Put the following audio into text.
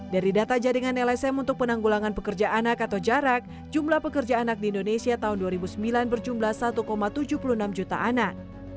dari data jaringan lsm untuk penanggulangan pekerja anak atau jarak jumlah pekerja anak di indonesia tahun dua ribu sembilan berjumlah satu tujuh puluh enam juta anak